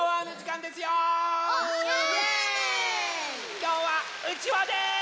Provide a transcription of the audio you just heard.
きょうはうちわです！